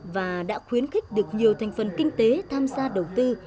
và đã khuyến khích được nhiều thành phần kinh tế tham gia đầu tư